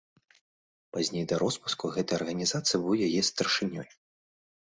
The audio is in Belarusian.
Пазней да роспуску гэтай арганізацыі быў яе старшынёй.